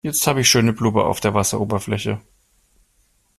Jetzt habe ich schöne Blubber auf der Wasseroberfläche.